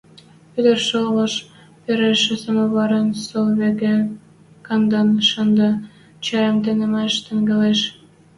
Петр шолаш пырышы самоварым стӧл вӹкӹ канден шӹндӓ, чӓйӹм темӓш тӹнгӓлеш.